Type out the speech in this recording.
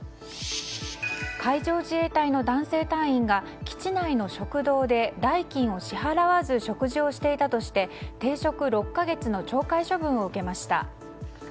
海上自衛隊の男性隊員が基地内の食堂で代金を支払わず食事をしていたとして停職６か月の懲戒処分を受けました。